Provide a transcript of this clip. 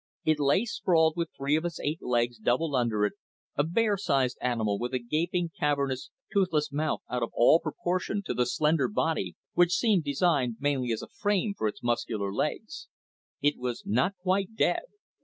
It lay sprawled with three of its eight legs doubled under it, a bear sized animal with a gaping, cavernous, toothless mouth out of all proportion to the slender body which seemed designed mainly as a frame for the muscular legs. It was not quite dead.